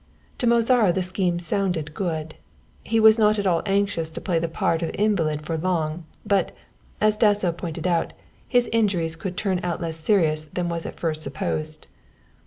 To Mozara the scheme sounded good. He was not at all anxious to play the part of invalid for long, but, as Dasso pointed out, his injuries could turn out less serious than was at first supposed.